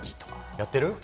やってる？